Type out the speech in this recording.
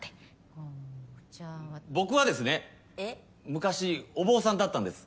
昔お坊さんだったんです。